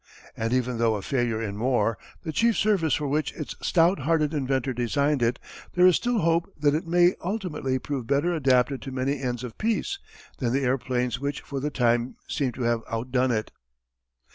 And even though a failure in war, the chief service for which its stout hearted inventor designed it, there is still hope that it may ultimately prove better adapted to many ends of peace than the airplanes which for the time seem to have outdone it.